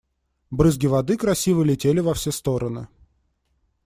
Брызги воды красиво летели во все стороны.